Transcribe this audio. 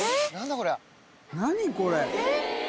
何これ。